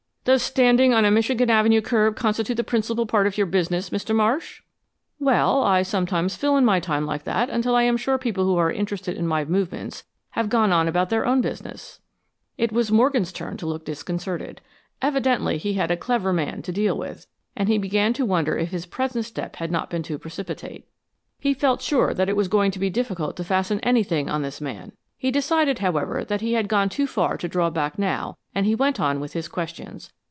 "Does standing on a Michigan Avenue curb constitute the principal part of your business, Mr. Marsh?" "Well, I sometimes fill in my time like that until I am sure the people who are interested in my movements have gone on about their own business." It was Morgan's turn to look disconcerted. Evidently he had a clever man to deal with, and he began to wonder if his present step had not been too precipitate. He felt sure that it was going to be difficult to fasten anything on this man. He decided, however, that he had gone too far to draw back now, and he went on with his questions.